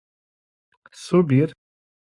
subir